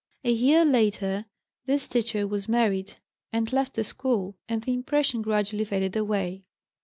A year later this teacher was married and left the school, and the impression gradually faded away.